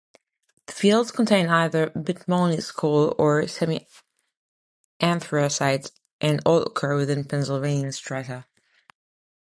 The fields contain either bituminous coal or semi-anthracite, and all occur within Pennsylvanian strata.